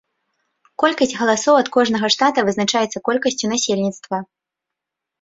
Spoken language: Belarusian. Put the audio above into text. Колькасць галасоў ад кожнага штата вызначаецца колькасцю насельніцтва.